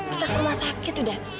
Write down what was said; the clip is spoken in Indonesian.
kita ke rumah sakit udah